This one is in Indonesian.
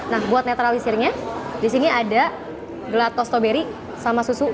nah buat netralisirnya di sini ada gelat toast strawberry sama susu